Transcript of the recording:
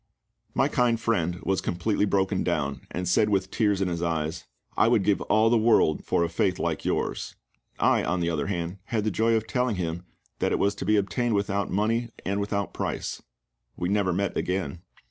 My kind friend was completely broken down, and said with tears in his eyes, "I would give all the world for a faith like yours." I, on the other hand, had the joy of telling him that it was to be obtained without money and without price. We never met again.